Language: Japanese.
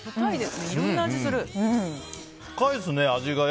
深いですね、味が。